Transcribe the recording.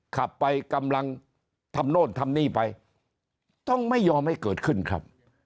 ขับไปกำลังทำโน่นทำนี่ไปต้องไม่ยอมให้เกิดขึ้นครับ